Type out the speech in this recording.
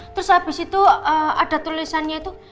terus habis itu ada tulisannya itu